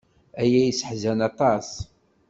Aya yesseḥzan aṭas.